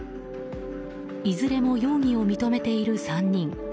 いずれも容疑を認めている３人。